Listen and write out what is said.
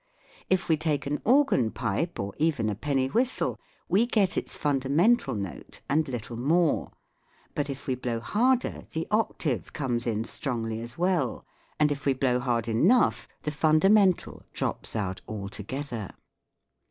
If we take an organ pipe, or even a penny whistle, we get its fundamental note and little more ; but if we blow harder the octave comes in strongly as well, and if we blow hard enough the fundamental drops out altogether.